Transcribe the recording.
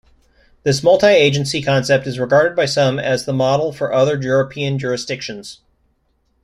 This multi-agency concept is regarded by some as the model for other European jurisdictions.